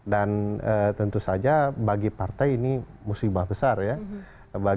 dan tentu saja bagi partai ini musibah besar ya